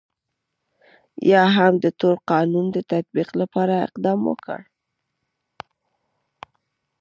یا هم د تور قانون د تطبیق لپاره اقدام وکړ.